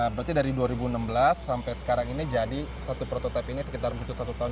berarti dari dua ribu enam belas sampai sekarang ini jadi satu prototipe ini sekitar butuh satu tahun